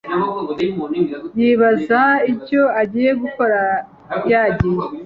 yibaza icyo agiye gukora yagiye